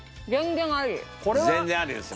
全然ありですね。